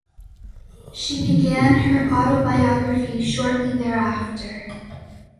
She began her autobiography shortly thereafter.